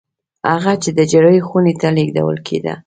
هغه چې د جراحي خونې ته لېږدول کېده